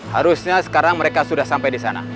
harusnya sekarang mereka sudah sampai di sana